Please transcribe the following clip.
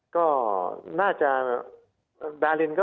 ก็น่าจะดารินก็